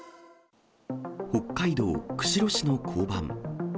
北海道釧路市の交番。